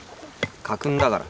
家訓だから。